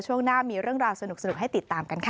ช่วงหน้ามีเรื่องราวสนุกให้ติดตามกันค่ะ